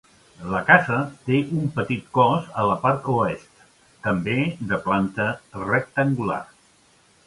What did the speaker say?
La casa té un petit cos a la part oest, també de planta rectangular.